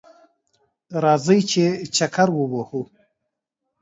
راځئ چه چکر ووهو